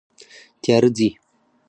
تیاره ځي